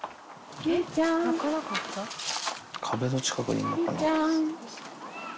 壁の近くにいるのかな。